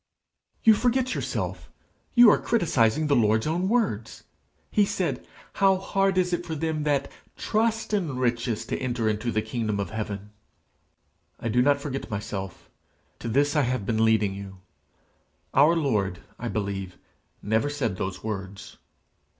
'You forget yourself; you are criticizing the Lord's own words: he said, "How hard is it for them that trust in riches to enter into the kingdom of heaven!"' 'I do not forget myself; to this I have been leading you: our Lord, I believe, never said those words.